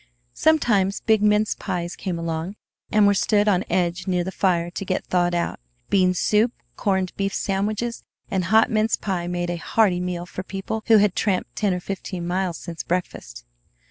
Sometimes big mince pies came along, and were stood on edge near the fire to get thawed out. Bean soup, corned beef sandwiches, and hot mince pie made a hearty meal for people who had tramped ten or fifteen miles since breakfast.